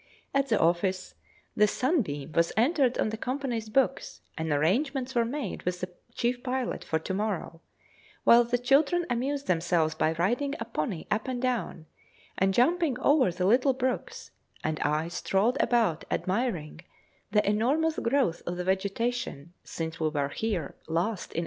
At the office, the 'Sunbeam' was entered on the Company's books, and arrangements were made with the chief pilot for to morrow, while the children amused themselves by riding a pony up and down, and jumping over the little brooks, and I strolled about admiring the enormous growth of the vegetation since we were here last in 1869.